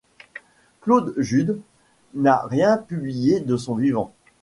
Claude Judde n’a rien publié de son vivant.